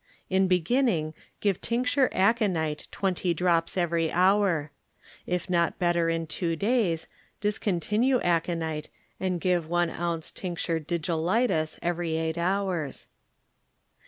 In be ginning give tincture aconite twenty drops every hour. If not better in two days discontinue aconite and give one ounce tr. digitalis every eight hours.